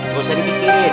gak usah dipikirin